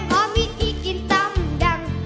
ขอมิติกินตำแดะ